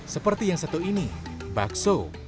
seperti yang satu ini bakso